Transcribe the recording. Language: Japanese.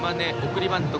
送りバント。